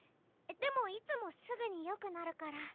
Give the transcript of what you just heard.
でもいつもすぐによくなるから。